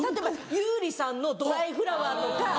優里さんの『ドライフラワー』とか。